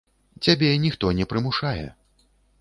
Цябе ніхто не прымушае.